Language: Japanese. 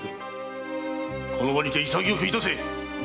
この場にて潔くいたせ！